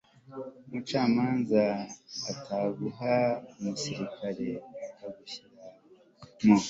umucamanza ataguha umusirikare akagushyira mu